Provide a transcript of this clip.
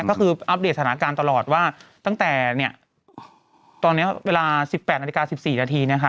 ก็คืออัปเดตสถานการณ์ตลอดว่าตั้งแต่เนี่ยตอนนี้เวลาสิบแปดนาฬิกาสิบสี่นาทีเนี่ยค่ะ